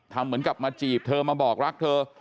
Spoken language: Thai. เหมือนกับมาจีบเธอมาบอกรักเธอ